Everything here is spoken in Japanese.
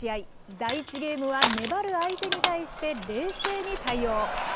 第１ゲームは粘る相手に対して、冷静に対応。